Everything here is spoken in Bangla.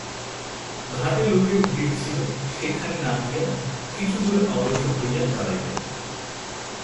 ঘাটে লোকের ভিড় ছিল সেখানে না গিয়া কিছু দূরে অগ্রসর হইয়া দাঁড়াইলেন।